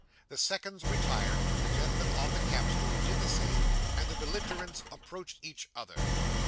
The seconds retired, the gentleman on the camp stool did the same, and the belligerents approached each other.